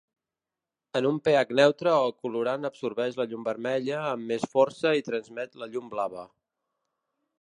En un pH neutre, el colorant absorbeix la llum vermella amb més força i transmet la llum blava.